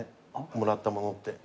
もらったものって。